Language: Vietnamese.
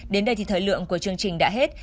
đến đây thì thời lượng của chương trình đã hết